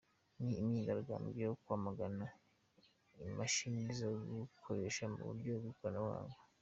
Ni imyigaragambyo yo kwamagana imashini zo gutoresha mu buryo bw'ikoranabuhanga.